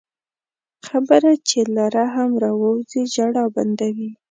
خبره چې له رحم راووځي، ژړا بندوي